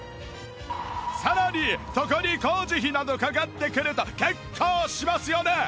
さらにそこに工事費などかかってくると結構しますよね